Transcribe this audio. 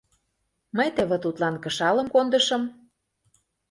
мый теве тудлан кышалым кондышым.